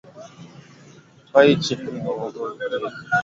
Pia chini ya uongozi wa Askofu Edward Steere